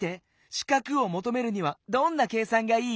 四角をもとめるにはどんな計算がいい？